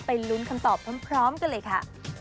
ลุ้นคำตอบพร้อมกันเลยค่ะ